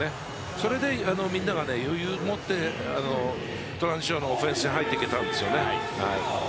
それで、みんなが余裕を持ってオフェンスに入っていけたんですよね。